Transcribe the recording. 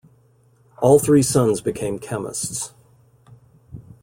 All three sons became chemists.